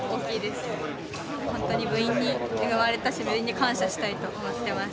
本当に部員に恵まれたし部員に感謝したいと思ってます。